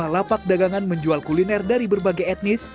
lima lapak dagangan menjual kuliner dari berbagai etnis